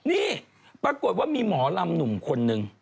นี่ปรากฏว่ามีหมอลำหนุ่มคนนึง